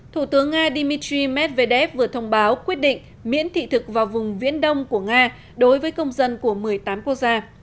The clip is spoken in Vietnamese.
thủ tướng nga dmitry medvedev vừa thông báo quyết định miễn thị thực vào vùng viễn đông của nga đối với công dân của một mươi tám quốc gia